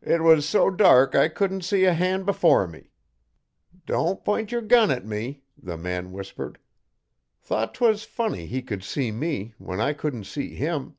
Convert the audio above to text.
'It was so dark I couldn't see a han' before me. "Don't p'int yer gun at me," the man whispered. Thought 'twas funny he could see me when I couldn't see him.